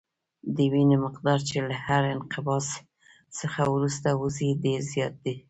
د وینې مقدار چې له هر انقباض څخه وروسته وځي ډېر زیات دی.